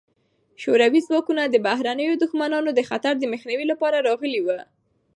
شوروي ځواکونه د بهرنیو دښمنانو د خطر د مخنیوي لپاره راغلي وو.